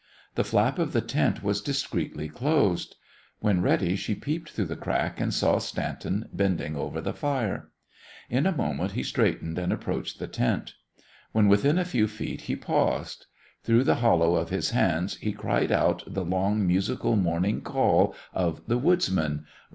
The flap of the tent was discreetly closed. When ready she peeped through the crack and saw Stanton bending over the fire. In a moment he straightened and approached the tent. When within a few feet he paused. Through the hollow of his hands he cried out the long, musical, morning call of the woodsman.